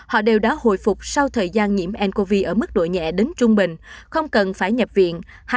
họ đều đã hồi phục sau thời gian nhiễm ncov ở mức độ nhẹ đến trung bình không cần phải nhập viện